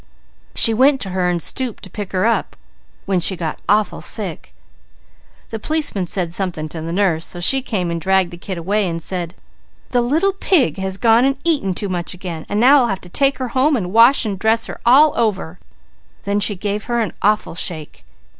She went to her and stooped to lift her up when she got awful sick. The policeman said something to the nurse, so she came and dragged the kid away and said, 'The little pig has gone and eaten too much again, and now I'll have to take her home and wash and dress her all over,' then she gave her an awful shake.